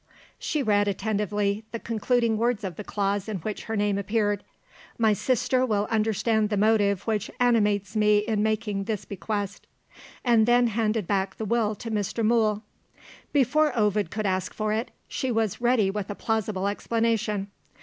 She read attentively the concluding words of the clause in which her name appeared "My sister will understand the motive which animates me in making this bequest" and then handed back the Will to Mr. Mool. Before Ovid could ask for it, she was ready with a plausible explanation.